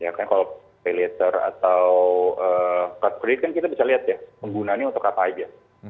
karena kalau pay later atau kartu kredit kan kita bisa lihat ya penggunaannya untuk apa aja